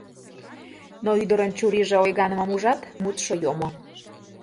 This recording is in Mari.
Но, ӱдырын чурийже ойганымым ужат, мутшо йомо.